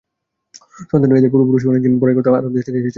সন্দেহ নেই, এদের পূর্বপুরুষেরাই একদিন বড়াই করত আরব দেশ থেকে এসেছে বলে।